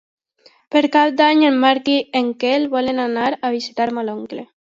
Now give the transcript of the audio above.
Per Cap d'Any en Marc i en Quel volen anar a visitar mon oncle.